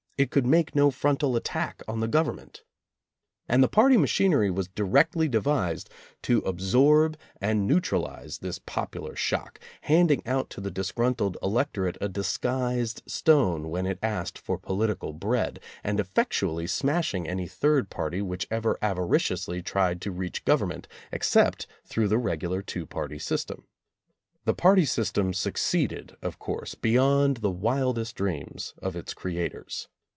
It could make no frontal attack on the Government. And the party machinery was directly devised to absorb and neu tralize this popular shock, handing out to the dis gruntled electorate a disguised stone when it asked for political bread, and effectually smashing any third party which ever avariciously tried to reach government except through the regular two party system. The party system succeeded, of course, beyond the wildest dreams of its creators.